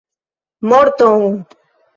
Morton!